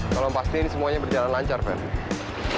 tolong pastikan semuanya berjalan lancar fer